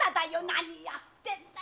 何やってんだよ！